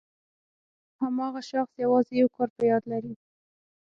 هماغه شخص یوازې یو کار په یاد لري.